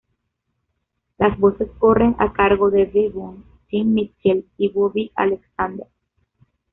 Las voces corren a cargo de Devon, Tim Mitchell y Bobby Alexander.